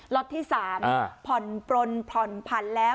ล็อตที่๓ผ่อนปลนผ่อนผันแล้ว